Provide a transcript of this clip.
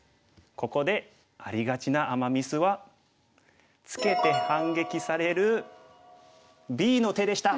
ここでありがちなアマ・ミスはツケて反撃されるＢの手でした。